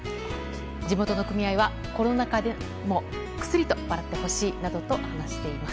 地元の組合はコロナ禍でもくすりと笑ってほしいなどと話しています。